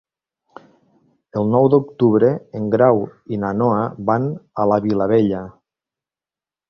El nou d'octubre en Grau i na Noa van a la Vilavella.